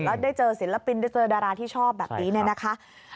แล้วได้เจอศิลปินได้เจอดาราที่ชอบแบบนี้เนี่ยนะคะ